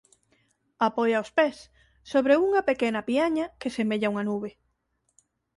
Apoia os pés sobre unha pequena piaña que semella unha nube.